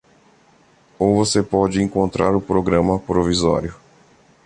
Ou você pode encontrar o programa provisório.